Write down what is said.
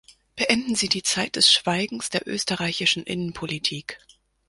Beenden Sie die Zeit des Schweigens der österreichischen Innenpolitik.